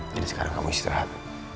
jadi sekarang kamu istirahat